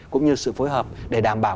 cũng như sự phối hợp để đảm bảo